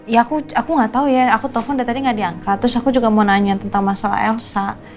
ya aku gak tau ya aku telfon dari tadi gak diangkat terus aku juga mau nanya tentang masalah elsa